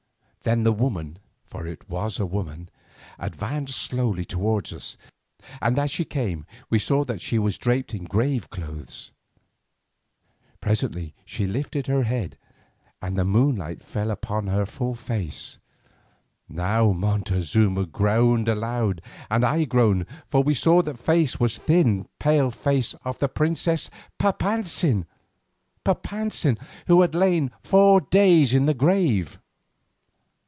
Then the woman—for it was a woman—advanced slowly towards us, and as she came we saw that she was draped in graveclothes. Presently she lifted her head and the moonlight fell full upon her face. Now Montezuma groaned aloud and I groaned, for we saw that the face was the thin pale face of the princess Papantzin—Papantzin who had lain four days in the grave.